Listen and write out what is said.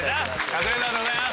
カズレーザーでございます。